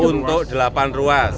untuk delapan ruas